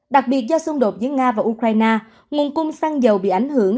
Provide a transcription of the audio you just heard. đặc biệt do xung đột giữa nga và ukraine nguồn cung xăng dầu bị ảnh hưởng